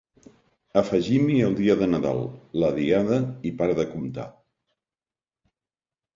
Afegim-hi el dia de Nadal, la Diada i para de comptar.